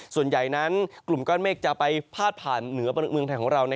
ส่วนใหญ่นั้นกลุ่มก้อนเมฆจะไปพาดผ่านเหนือเมืองไทยของเรา